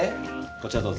こちらどうぞ。